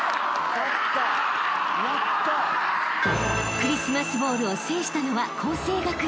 ［クリスマスボウルを制したのは佼成学園］